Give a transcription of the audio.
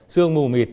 sương mù mịt